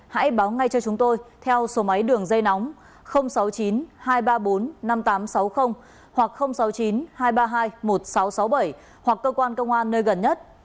hãy báo ngay cho chúng tôi theo số máy đường dây nóng sáu mươi chín hai trăm ba mươi bốn năm nghìn tám trăm sáu mươi hoặc sáu mươi chín hai trăm ba mươi hai một nghìn sáu trăm sáu mươi bảy hoặc cơ quan công an nơi gần nhất